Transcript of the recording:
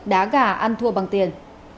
đá gà ăn thua bằng tiền